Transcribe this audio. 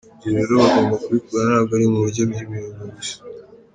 Ibyo rero bagomba kubikora ntabwo ari mu buryo by’imihigo gusa.